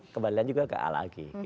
kembali lagi juga ke a lagi